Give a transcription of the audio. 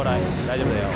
大丈夫だよ。